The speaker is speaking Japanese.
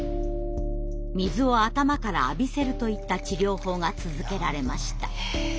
水を頭から浴びせるといった治療法が続けられました。